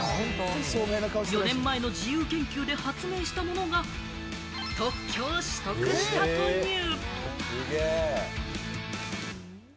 ４年前の自由研究で発明したものが、特許を取得したという。